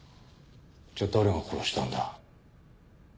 じゃあ誰が殺したんだ？